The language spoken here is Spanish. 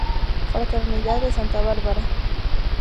Fraternidad de Santa Bárbara.